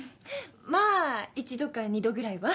まあ一度か二度ぐらいは。